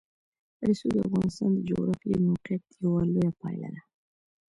رسوب د افغانستان د جغرافیایي موقیعت یوه لویه پایله ده.